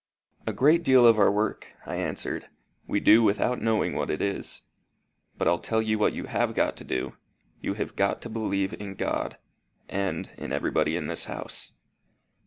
"A great deal of our work," I answered, "we do without knowing what it is. But I'll tell you what you have got to do: you have got to believe in God, and in everybody in this house."